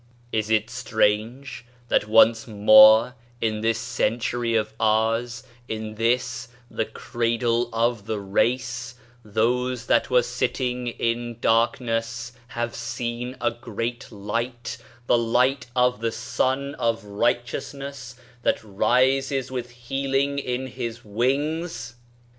Is it strange that once more in this century of ours, in this ' the cradle of the race,' those that were sitting " in darkness have seen a Great Light," the light of the Sun of Righteousness that rises with healing in his wings